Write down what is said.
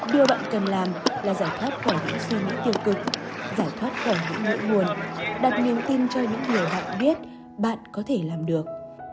điều bạn cần làm là giải pháp quản lý suy nghĩ tiêu cực giải thoát khỏi những nỗi buồn đặt niềm tin cho những người bạn biết bạn có thể làm được